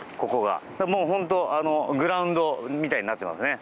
もう本当、グラウンドみたいになっています。